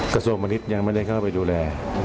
กระโสมนิทยังไม่ได้เข้าไปดูแล